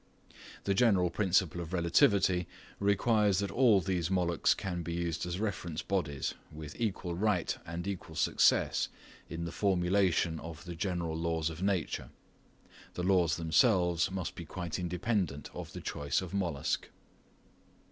The general principle of relativity requires that all these molluscs can be used as reference bodies with equal right and equal success in the formulation of the general laws of nature; the laws themselves must be quite independent of the choice of mollusc.